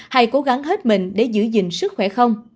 hay cố gắng hết mình để giữ gìn sức khỏe không